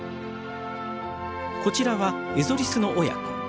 こちらはエゾリスの親子。